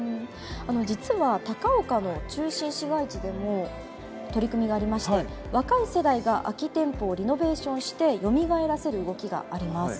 実は高岡の中心市街地でも取り組みがありまして若い世代が空き店舗をリノベーションしてよみがえらせる動きがあります。